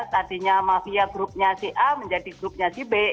tadinya mafia grupnya si a menjadi grupnya